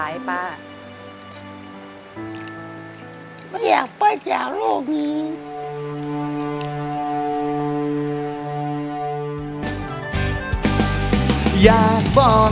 อะไรครับ